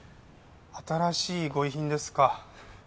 新しいご遺品ですか？